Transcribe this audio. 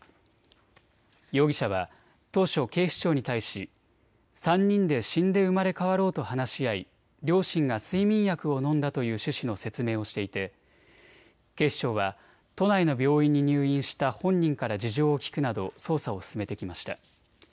容疑者は当初、警視庁に対し３人で死んで生まれ変わろうと話し合い、両親が睡眠薬を飲んだという趣旨の説明をしていて警視庁は都内の病院に入院した本人から事情を聴くなど捜査を進めてきました。